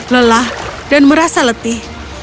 lelah dan merasa letih